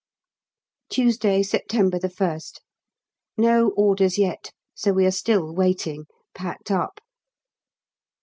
Tuesday, September 1st. No orders yet, so we are still waiting, packed up.